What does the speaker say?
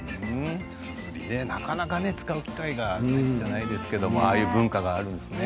なかなか使う機会がないですけどねああいう文化があるんですね。